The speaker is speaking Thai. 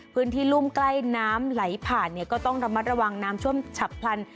พื้นที่รุ่มใกล้น้ำไหลผ่านเนี่ยก็ต้องระมัดระวังน้ำช่วมฉับพลัน